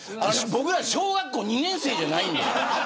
僕ら小学校２年生じゃないので。